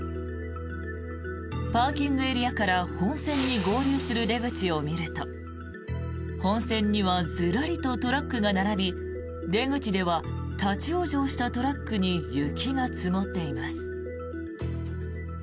パーキングエリアから本線に合流する出口を見ると本線にはずらりとトラックが並び出口では立ち往生したトラックに雪が積もっています。